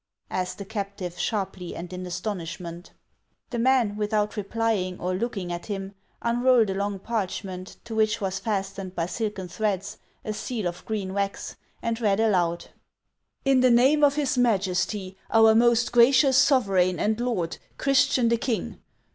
'' asked the captive, sharply, and in astonishment. The man, without replying or looking at him, unrolled a long parchment, to which was fastened by silken threads a seal of green wax, and read aloud :" Tn the name of his HANS OF ICELAND. 417 Majesty, our most gracious sovereign and lord, Christian the king.